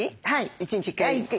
１日１回。